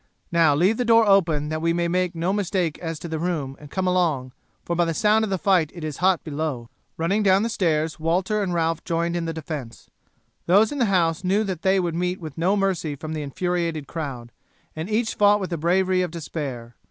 Now leave the door open that we may make no mistake as to the room, and come along, for by the sound the fight is hot below." Running down the stairs Walter and Ralph joined in the defence. Those in the house knew that they would meet with no mercy from the infuriated crowd, and each fought with the bravery of despair.